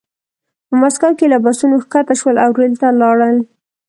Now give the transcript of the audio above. په مسکو کې له بسونو ښکته شول او ریل ته لاړل